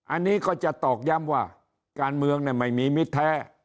อันนี้ก็จะตอกย้ำว่าการเมืองไม่มีมิตรแท้